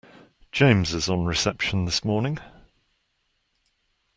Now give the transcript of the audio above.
James is on reception this morning